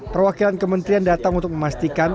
perwakilan kementerian datang untuk memastikan